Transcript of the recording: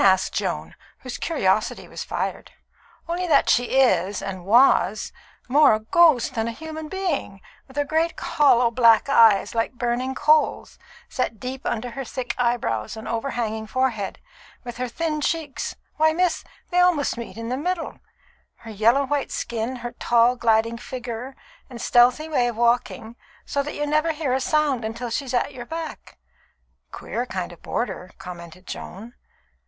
asked Joan, whose curiosity was fired. "Only that she is, and was, more a ghost than a human being, with her great, hollow, black eyes, like burning coals, set deep under her thick eyebrows and overhanging forehead; with her thin cheeks why, miss, they almost meet in the middle her yellow white skin, her tall, gliding figure and stealthy way of walking, so that you never hear a sound till she's at your back." "Queer kind of boarder," commented Joan.